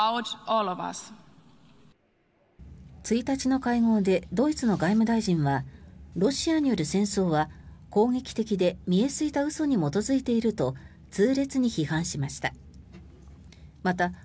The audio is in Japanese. １日の会合でドイツの外務大臣はロシアによる戦争は攻撃的で見え透いた嘘に基づいていると痛烈に批判しました。